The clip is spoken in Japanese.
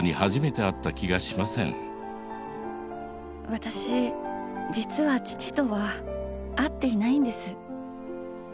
私実は父とは会っていないんです。